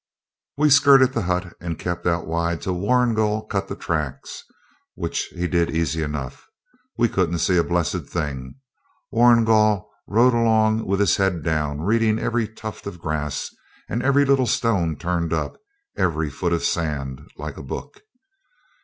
We skirted the hut and kept out wide till Warrigal cut the tracks, which he did easy enough. We couldn't see a blessed thing. Warrigal rode along with his head down, reading every tuft of grass, every little stone turned up, every foot of sand, like a book.